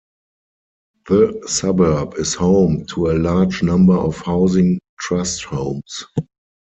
The suburb is home to a large number of Housing Trust homes.